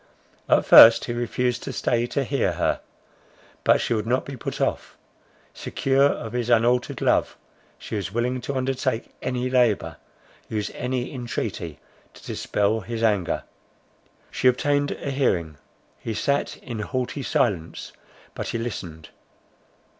At first he refused to stay to hear her. But she would not be put off; secure of his unaltered love, she was willing to undertake any labour, use any entreaty, to dispel his anger. She obtained an hearing, he sat in haughty silence, but he listened.